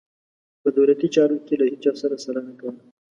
په دولتي چارو کې یې له هیچا سره سلا نه کوله.